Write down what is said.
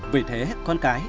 vì thế con cái